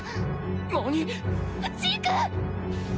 何⁉ジーク！